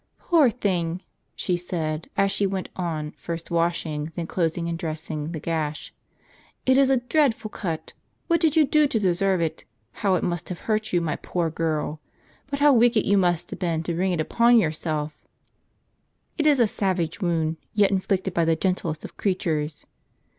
" Poor thing !" she said, as she went on first washing, then closing and dressing, the gash ;" it is a dreadful cut! What did you do to deserve it? How it must have hurt you, my poor girl ! But how wicked you must have been to bring it upon yourself! It is a savage wound, yet inflicted by the gentlest of creatures